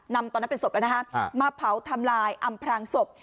ตอนนั้นเป็นศพแล้วนะฮะมาเผาทำลายอำพรางศพ